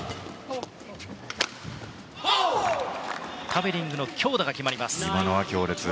タベリングの強打が決まりました。